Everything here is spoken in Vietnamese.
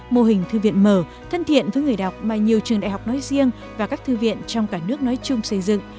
mô hình thư viện mở thân thiện với người đọc mà nhiều trường đại học nói riêng và các thư viện trong cả nước nói chung xây dựng